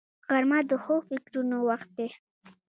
غرمه د ښو فکرونو وخت دی